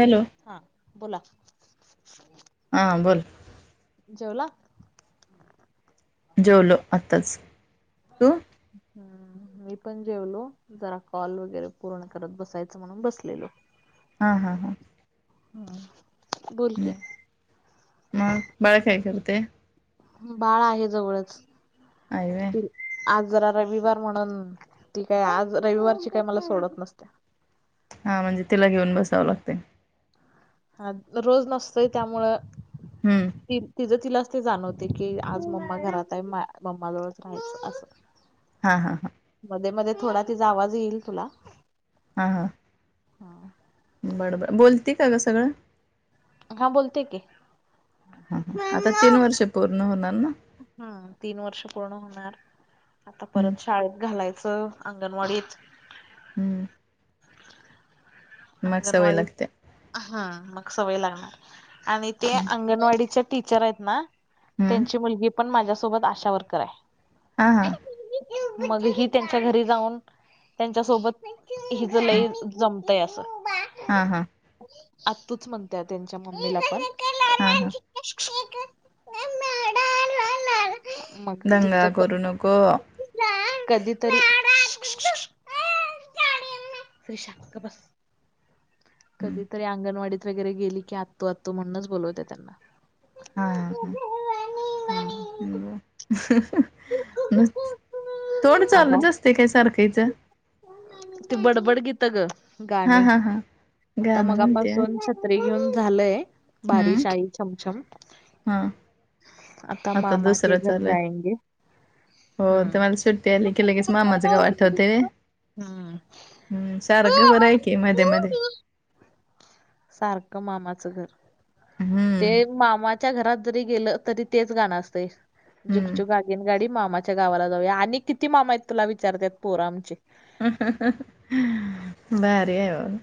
Hello. हा बोला हा बोल जेवला? जेवलो आत्ताच. तू? हम्म. मी पण जेवलो जरा कॉल वगैरे पूर्ण करत बसायच म्हणून बसलेलो हा हा हा. हम्म बोल की. मग बाळ काय करतय? बाळ आहे जवळंच. आहे होय. ती आज जरा रविवार म्हणून ती काय आज रविवारची काय मला सोडत नसत्या हा म्हणजे तिला घेऊन बसावं लागतय. हा रोज नसतोय त्यामुळं. हम्म. ती तिझं तिला ते जाणवते की आज मम्मा घरात आहे मम्मा जवळच राहायचं असं हा हा हा. मध्ये मध्ये थोडा तिचा आवाज येईल तुला. हा हा. बर बर. बोलती का ग सगळं? हा बोलते की. हम्म हम्म. आता तीन वर्ष पूर्ण होणार ना? हम्म तीन वर्ष पूर्ण होणार आता हम्म परत शाळेत घालायचं अंगणवाडीत. हम्म. मग सवय अंगणवाडी लागते हा मग सवय लागणार आणि ते हम्म अंगणवाडीचे टीचर आहेत ना हम्म त्यांची मुलगी पण माझ्यासोबत आशा वर्कर आहे. हा हा. मग ही त्यांच्या घरी जाऊन त्यांच्या सोबत हिच हम्म लय जमतंय असं. हा हा. आतुच म्हणत्या त्यांच्या मम्मीला पण हा हा. [unintelligible] मग दंगा तिथं करू नको. कधीतरी शांत बस. हम्म कधीतरी अंगणवाडीत वगैरे गेली की आत्तू आत्तू म्हणूनच बोलवत्या त्यांना हा हम्म. हम्म. तोड चालूच असते काय सारख हीच? त बडबड गीत ग हा गाणी हा हा आता गाणं म्हणते मगापासून खत्री घेऊन झालय. हम्म बारिश आई छमछम हा आता मामा के दुसरं घर चालूय जायंगे. हो तुम्हाला हम्म सुट्टी आली की लगेच मामाचं गव आठवतय. हम्म्म. हम्म, सारखं बरं आहे कि मध्ये मध्ये सारखं मामाचं घर, हम्म ते मामा च्या घरात जरी गेलं, तरी तेच गाणं असतंय, झुक झुक हम्म आगीनगाडी मामा च्या गावाला जाऊया, आणि किती मामा आहेत तुला विचारत्यात पोरं आमची भारी हाय म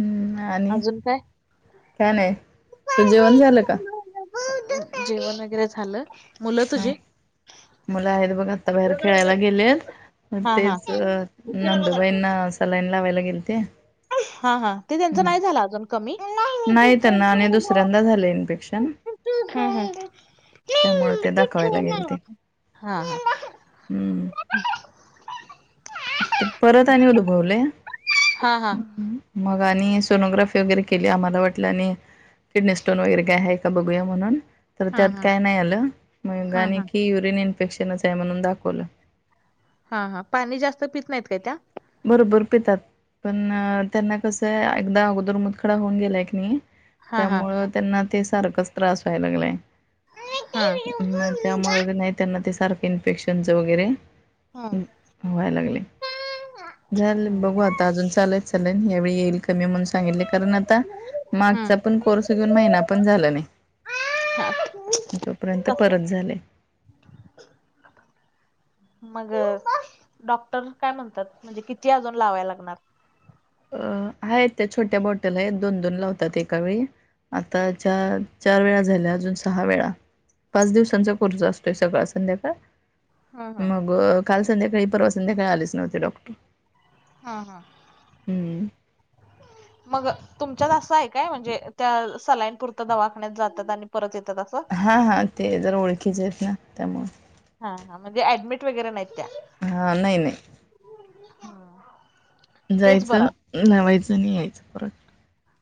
हम्म आणि अजून काय. काय नाही,, तूजं जेवण झालं का? जेवण वगैरे झालं, मुलं तुझी? मुला आहेत बघ, आत्ता बाहेर खेळायला गेलेत. हा हा तेच, नंदुबाईना सलाईन लावायला गेलते. हा हा, ते त्यांच नाही झालं अजून.? कमी हा नाही त्यांना आणि दुसऱ्यांदा झालंय इन्फेक्शन. हा त्यामुळं ते दाखवायला गेलते. हां. हम्म ते परत आणि ऊदुभवलय. हा हा. मग आणि सोनोग्राफी वगैरे केली, आम्हाला वाटलं आणि, किडनी स्टोन वगैरे काय हाय बघुया म्हणून, तर त्यात काय नाय आलं, मग हा हा आणखी युरीन इन्फेक्शनच आहे म्हणून दाखवलं. हा हा, पाणी जास्त पित नाहीत काय त्या बरोबर पितात, पण त्यांना कसं आहे एकदा अगोदर मुदखडा होऊन गेलाय क नाही. हा हा त्यामुळं त्यांना ते सारखंच त्रास व्हाय लागलाय. हा.. ग त्यामुळे क नाही त्यांना ते सारखं इन्फेक्शनच वगैरे व्हाय लागलय. झाले, बघू हम्म आता, अजून चालूयत सलयन यावेळी येईल कमी म्हणून सांगितलय कारण आता मागचा पण कोर्स घेऊन महिना पण झाला नाही. हम्म तोपर्यंत कस परत झालय. मग डॉक्टर काय म्हणतात, म्हणजे किती अजून लावाय लागणार.? अ आहेत त्या छोट्या बॉटल आहेत, दोन दोन लावतात एका वेळी, आता चार चार वेळा झाल्या अजून सहा वेळा, पाच दिवसांचा कोर्स असतोय सकाळ संध्याकाळ. हा हा मग काल संध्याकाळी परवा संध्याकाळी आलेच नव्हते डॉक्टर. हा हा, हम्म मग तुमच्यात असं आहे काय, म्हणजे त्या सलाईन पुरतं दवाखान्यात जातात आणि परत येतात, असं हा हा, ते जरा ओळखीचे आहेत ना, त्यामुळं. हा हा, म्हणजे ऍडमिट वगैरे नाहीत त्या हां नाही नाही. तेच बरं जायचं लावायचं आणि यायचं परत.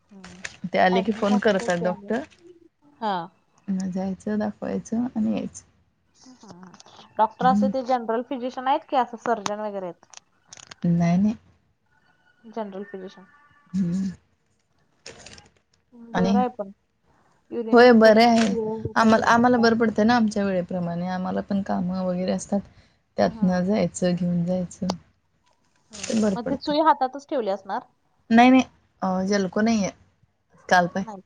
आहे. ते आले की ऍडमिट फोन असलं करतात की आणि डॉक्टर. हा. म जायचं दाखवायचं आणि यायचं. डॉक्टर असे हम्म ते जनरल फिजिशियन आहेत, कि असं सर्जन वगैरे आहेत. नाही नाही. General physician. हम्म. आणि बरं आहे पण, युरिन होय बरे इन्फेक्शन आहे [unintelligible] प्रमाणे आम्हाला पण कामं वगैरे असतात, हा. त्यातन जायचं घेऊन जायचं. हम बरं मग ते पडतं सुई हातातच ठेवली असणार. नाही नाही अ जलको नाहीय [unintelligible] नाही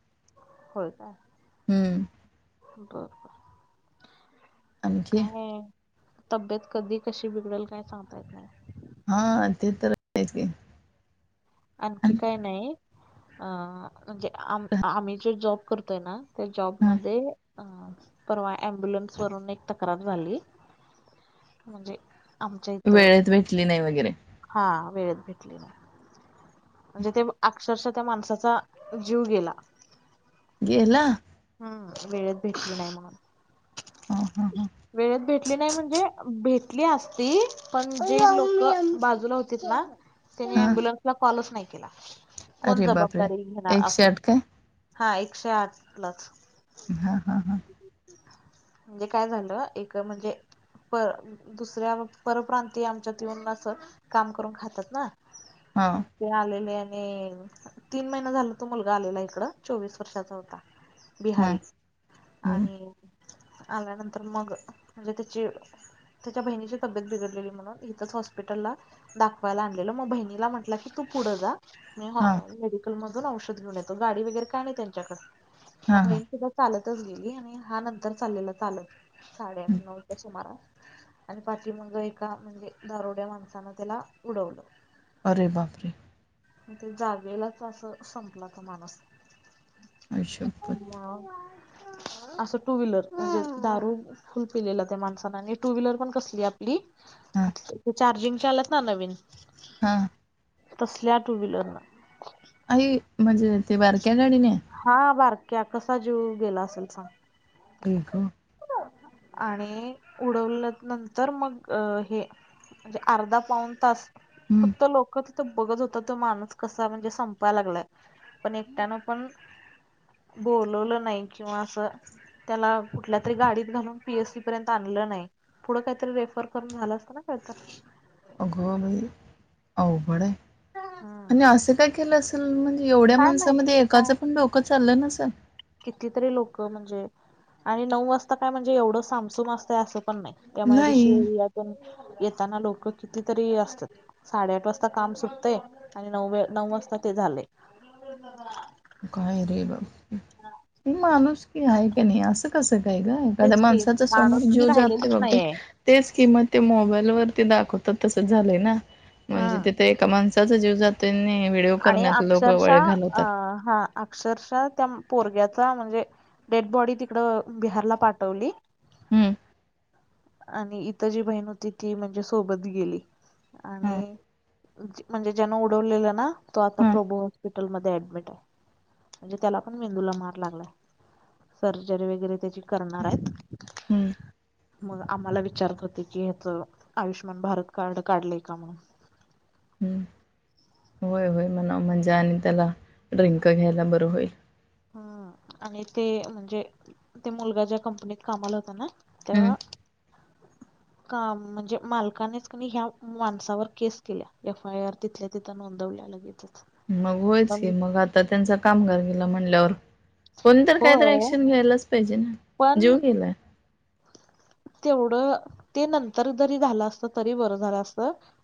हम्म. बरबर, आणखी काय आहे? तब्येत कधी कशी बिघडल काय सांगता येत नाही. हा ते तर [unintelligible] की. आणखी आणि काय नाही अ म्हणजे आम आम्ही जे जॉब करतोय ना ते हां जॉबमध्ये अ परवा अम्बुलन्स वरून एक तक्रार झाली म्हणजे आमच्या इथं. वेळेत भेटली नाही वगैरे. हा वेळेत भेटली नाही. म्हणजे ते अक्षरशा त्या माणसाचा जीव गेला. गेला. हम् वेळेत भेटली नाही म्हणून. हां हां हां वेळेत भेटली नाही म्हणजे, भेट ली असती पण जे लोक बाजूला होतीत ना त्यानी हां अम्ब्युलन्सला कॉलच नाही केला, कोण अरे बापरे जबाबदारी घेणार एकशे असं. आठ काय हा एकशे आठ [unintelligible] हा हा हा. म्हणजे काय झालं एक म्हणजे पर दुसऱ्या परप्रांतीय आमच्यात येऊन अस काम करून खातात ना‌. हा. हां ते आलेले आणि तीन महिना झाल तो मुलगा आलेला इकड चोवीस वर्षाचा होता‌. हां बिहारीच आणि आल्यानंतर मग म्हणजे त्याची त्याच्या बहिणीची तब्येत बिघडलेली म्हणून इथंच हॉस्पिटलला दाखवायला आणलेलं मग बहिणीला म्हटला की तू पुढं जा. मी हां [unintelligible] मेडिकल मधून औषध घेऊन येतो गाडी वगैरे काय नाही त्यांच्याकड. हां मग हां बहीण सुद्धा चालतच गेली आणि हा नंतर चाललेला चालत. साडे आठ हं. नऊच्या सुमारा. आणि पाठी मग एका म्हणजे दारुड्या माणसानं त्याला उडवलं. अरे बाप रे. ते जागेलाच असं संपला तो माणुस. आई शप्पथ! मग असं टू व्हीलर‌ म्हणजे दारू फुल पिलेला त्या माणसान आणि टू व्हीलर पण कसली आपली हां, चार्जिंगच्या आल्यात ना नवीन. हा. तसल्या टू व्हीलर न. आई म्हणजे ते बारक्या गाडीने. हा बारक्या कसा जीव गेला असल सांग. आई ग. आणि उडवल्यात नंतर मग हे म्हणजे अर्धा पाऊन तास हं. फक्त लोकच बघत होता तो माणूस कसा म्हणजे, संपाय लागलाय पण एकट्यानं अम बोलवलं नाही किंवा असं? त्याला कुठल्या तरी गाडीत घालून पीएस सी पर्यंत आणलं नाही‌. पुढं काहीतरी रेफर करून झालं असतं ना काय तरी? अगं बाई! अवघड आहे, आणि अस काय केलंस? म्हणजे एवढ्या काय माणसामध्ये माहित काय एकाचं पण डोकं चाललं नसल? कितीतरी लोक म्हणजे आणि नऊ वाजता काय म्हणजे एवढं सामसूम असतंय असं पण नाही. नाही. एमआयडीसी एरियातून येताना लोक कितीतरी असतात. साडेआठ वाजता काम सुटतय, आणि नऊ नऊ वाजता ते झालय. [inaudible] काय रे बाबा हे? माणुसकी हाय की नाही अस? कसं काय ग? एखाद्या तेच की माणसाचा समोर माणुसकी जीव जातोय राहिलेलीच बापरे! नाहीये तेच की ते मोबाईल वरती दाखवतात तसंच झालंय ना? म्हणजे हम्म तेिथ एका माणसाचा जीव जातोय नि व्हिडिओ करण्यात लोक वेळ घालवतात. हा हा. अक्षरशः त्या पोरग्याचा म्हणजे डेड बॉडी तिकड बिहारला पाठवली. हम्म. आणि इथं जी बहीण होती ती म्हणजे सोबत गेली, आणि हां, म्हणजे ज्यानं उडवलेल ना? तो आता हां, प्रोबो हॉस्पिटल मध्ये ऍडमिट आहे. म्हणजे त्याला पण मेंदूला मार लागलाय, सर्जरी वगैरे त्याची करणार आहेत. हं. मग आम्हाला विचारत होते की, ह्याच आयुष्यमान भारत कार्ड काढलेय का म्हणून? हम होय होय म्हणाव म्हणजे आणि त्याला ड्रिंक घ्यायला बरं होईल. हम्म आणि ते म्हणजे? ते मुलगा ज्या कंपनीत कामाला होता ना? त्या हं, का म्हणजे मालकानेच कन ह्या माणसावर केस केल्या एफ आय आर तिथल्या तिथ नोंदवल्या लगेेचच. मग होयच की मग आता त्यांचा कामगार गेला म्हणल्यावर कोणीतर काहीतरी होय ऍक्शन घ्यायलाच पाहिजे ना? जीव पण गेलाय. तेवढं ते नंतर जरी झालं असत तरी बरं झालं असत.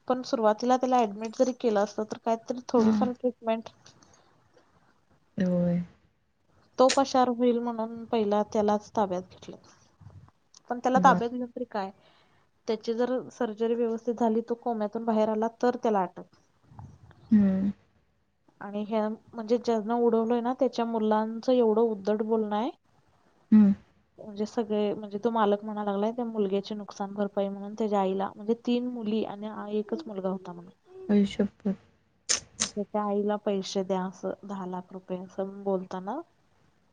पण सुरुवातीला त्याला ऍडमिट जरी केलं असत तर काय तरी हां, थोडीफार ट्रीटमेंट होय. तो पशार होईल म्हणून पहिला त्यालाच ताब्यात घेतलं, पण त्याला बाप ताब्यात घेऊन काय त्याची जर सर्जरी व्यवस्थित झाली, तो कोम्यातून बाहेर आला तर त्याला आत टाक हं, आणि ह म्हणजे ज्यांन उडवलय ना त्याच्या मुलांचं एवढं उद्धट बोलणंय हम्म. म्हणजे सगळे म्हणजे तो मालक म्हणाय लागला, त्या मुलग्याचे नुकसान भरपाई म्हणून त्याच्या आईला म्हणजे तीन मुली आणि एकच मुलगा होता म्हणे. आई शप्पथ. त्याच्या आईला पैसे द्या असं दहा लाख रुपये असं म बोलताना?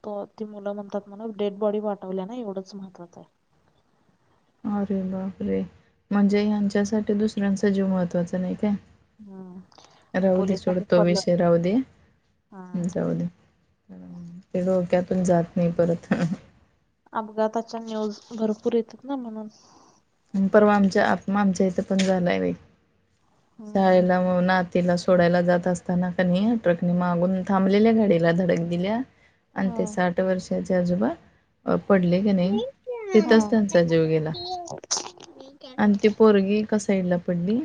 तो ती मुलं म्हणतात म्हण डेड बॉडी पाटवल्या ना एवढंच महत्वाचं आहे. अरे बापरे म्हणजे यांच्यासाठी दुसऱ्यांचा जीव महत्त्वाचा नाही काय? हम्म राहू दे सोड पोलिसांनी तो फरलं विषय राहू दे, हा जाऊ दे. ते डोक्यातून जात नाही परत. हम अपघाताच्या न्यूज भरपूर येतात ना म्हणून. परवा आमच्या आ्मा आमच्या इथे पण झालाय बाई हम्म शाळेला मून आत तिला सोडायला जात असताना. कनी ट्रकने मागून थांबलेल्या गाडीला धडक दिल्या अन ते हा. साठ वर्ष आजोबा अ पडले की नाही. तिथंच त्यांचा जीव गेला. मी आणि ती पोरगी एका साइड ला पडली.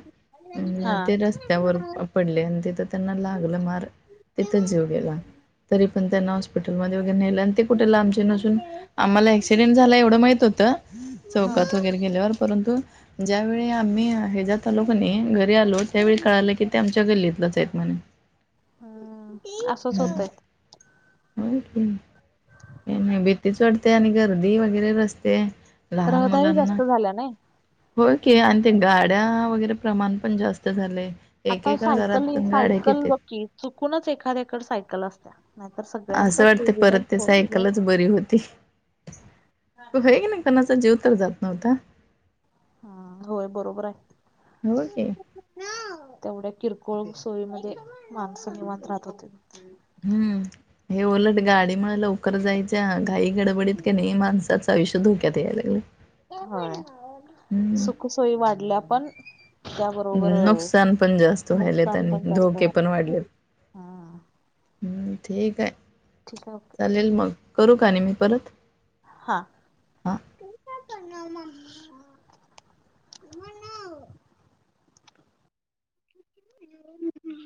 अ ते रस्त्यावर पडले. आणि तिथं त्यांना लागलं मार तिथंच जेऊ गेला. तरी पण त्यांना हॉस्पिटलमध्ये वगैरे नेल ते कुठे लांबचे नसून आम्हाला ऍक्सिडेंट झाला. एवढं माहीत होत. चौकात वगैरे गेल्यावर परंतु ज्यावेळी आम्ही हे जात आलो कणी घरी आलो त्यावेळी कळालं की ते आमच्या गल्लीतलंच आहेत. म्हणून हा असंच होतय. होय कि नाही भीतीच वाटते. आणि गर्दी वगैरे रस्ते लहान रहदारी मुलांना जास्त झाल्या नाही. होय की आणि ते गाड्या वगैरे प्रमाण पण जास्त झालय. आता सायकल हि सायकल बकी चुकूनच एखाद्याकडे सायकल असत्या नाहीतर असं सगळ्यांकड टू वाटतय व्हीलर परत ते फोर व्हीलर सायकलच बरी होती. वय ना कोणाचा जीव तर जात नव्हता. हा होय बरोबर आहे. होे की तेवढ्या किरकोळ सोयीमध्ये माणस निंवात राहत होते. हम्म हे उलट गाडीमुळे लवकर जायच, घाई गडबडीत कि नाही. माणसाचं आयुष्य धोक्यात यायला लागलंय. होय हम्म. सुखसोयी वाढल्या पण त्या बरोबर नुकसान पण जास्त व्हायलेत नुकसान आणि पण जास्त धोके पण झाला. वाढलेत. हा हम्म ठीक आहे ठीक आहे ओके चालेल. मग करू का आणि मी परत हा हा. मी काय करणार मम्मा मम्मा नाव हम् [unintelligible]